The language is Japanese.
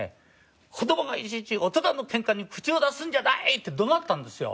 「子供がいちいち大人のケンカに口を出すんじゃない！」って怒鳴ったんですよ。